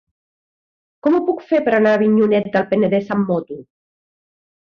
Com ho puc fer per anar a Avinyonet del Penedès amb moto?